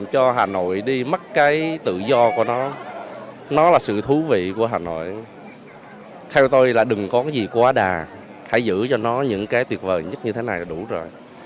hãy giữ cho nó những cái tuyệt vời nhất như thế này là đủ rồi